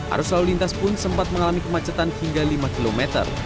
arus lalu lintas pun sempat mengalami kemacetan hingga lima km